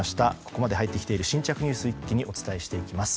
ここまで入ってきている新着ニュースを一気にお伝えしていきます。